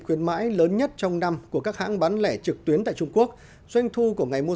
khuyến mãi lớn nhất trong năm của các hãng bán lẻ trực tuyến tại trung quốc doanh thu của ngày mua